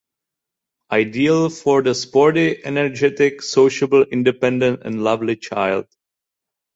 Ideal for the sporty, energetic, sociable, independent and lovely child.